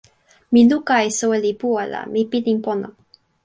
mi luka e soweli puwa la mi pilin pona.